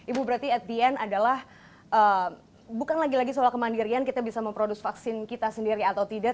ibu berarti at the end adalah bukan lagi lagi soal kemandirian kita bisa memproduce vaksin kita sendiri atau tidak